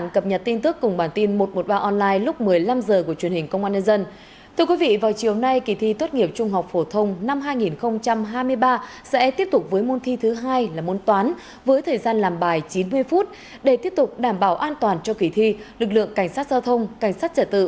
các bạn hãy đăng ký kênh để ủng hộ kênh của chúng mình nhé